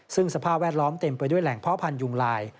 ซึ่งสภาพแวดล้อมเต็มไปด้วยแหล่งเพาะพันธุยุงลาย